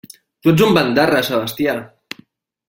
Tu ets un bandarra, Sebastià!